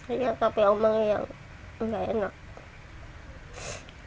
iya tapi omangnya yang gak enak